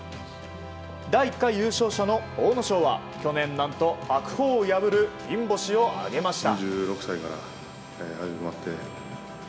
第１回優勝者の阿武咲は去年、何と白鵬を破る金星を挙げました。